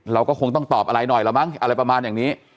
เราก็คงต้องตอบอะไรหน่อยละมั้งอะไรประมาณอย่างนี้